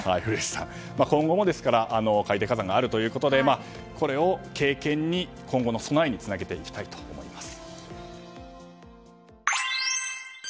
日本も海底火山があるということでこれを経験に今後の備えにつなげていきたいと思います。